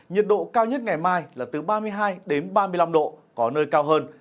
nhiệt độ cao nhất ngày mai là từ ba mươi hai đến ba mươi năm độ có nơi cao hơn